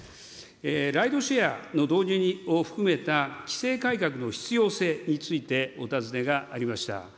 ライドシェアの導入を含めた規制改革の必要性について、お尋ねがありました。